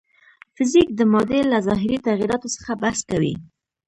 فزیک د مادې له ظاهري تغیراتو څخه بحث کوي.